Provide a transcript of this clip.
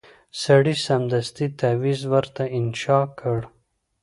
سړي سمدستي تعویذ ورته انشاء کړ